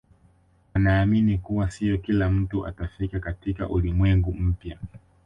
wanaamini kuwa siyo kila mtu atafika katika ulimwengu mpya